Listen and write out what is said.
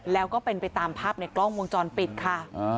แล้วก็เป็นไปตามภาพในกล้องวงจรปิดค่ะ